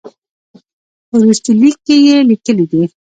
په وروستي لیک کې یې لیکلي دي.